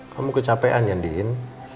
kamu kecapean ya din